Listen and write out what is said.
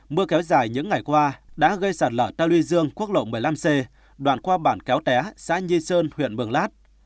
mưa kéo dài những ngày qua đã gây sạt lở ta luy dương quốc lộ một mươi năm c đoạn qua bản kéo té xã nhi sơn huyện mường lát